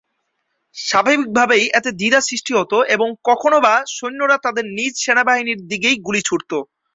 স্বাভাবিকভাবেই এতে দ্বিধা সৃষ্টি হতো এবং কখনোবা সৈন্যরা তাদের নিজ সেনাবাহিনীর দিকেই গুলি ছুঁড়তো।